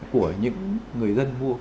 của những người dân mua